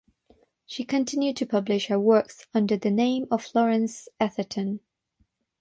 She continued to publish her works under the name of Florence Atherton.